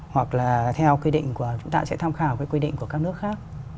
hoặc là theo quy định của chúng ta sẽ tham khảo cái quy định của các nước khác